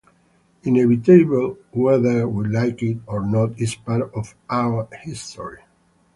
Inevitably, whether we like it or not, it's part of our history.